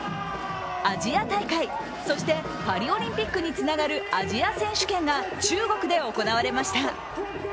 アジア大会、そしてパリオリンピックにつながるアジア選手権が中国で行われました。